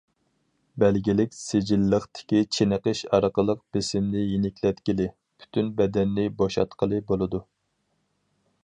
بەلگىلىك سىجىللىقتىكى چېنىقىش ئارقىلىق بېسىمنى يېنىكلەتكىلى، پۈتۈن بەدەننى بوشاتقىلى بولىدۇ.